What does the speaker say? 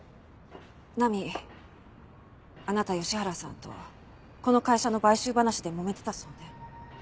菜美あなた吉原さんとこの会社の買収話でもめてたそうね。